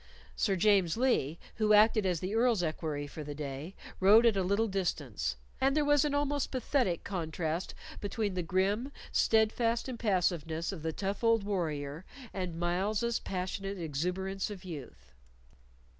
Sir James Lee, who acted as the Earl's equerry for the day, rode at a little distance, and there was an almost pathetic contrast between the grim, steadfast impassiveness of the tough old warrior and Myles's passionate exuberance of youth.